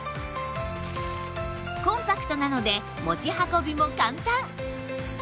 コンパクトなので持ち運びも簡単